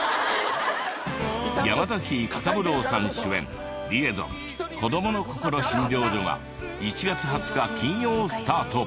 山崎育三郎さん主演『リエゾン−こどものこころ診療所−』が１月２０日金曜スタート。